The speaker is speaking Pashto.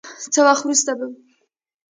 څه وخت وروسته به